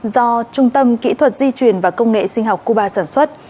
do trung tâm kỹ thuật di truyền và công nghệ sinh học cuba sản xuất